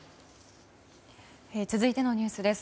続いてのニュースです。